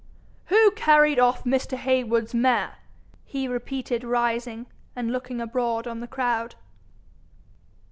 'Who carried off Mr. Heywood's mare?' he repeated, rising, and looking abroad on the crowd.